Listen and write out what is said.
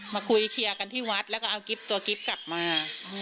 มาคุยเคียร์กันที่วัดแล้วเอากิฟต์กลับมา